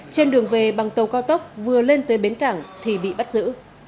trên đường về bằng tàu cao tốc vừa lên tới bến cảng thì bị bắt giữ